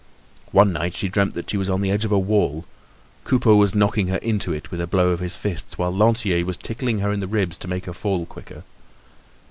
One night, she dreamt that she was on the edge of a wall; Coupeau was knocking her into it with a blow of his fist, whilst Lantier was tickling her in the ribs to make her fall quicker.